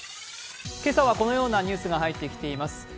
今朝はこのようなニュースが入ってきています。